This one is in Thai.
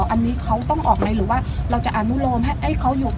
อันนี้เขาต้องออกในหรือว่าเราจะอนุโลมให้เขาหยุด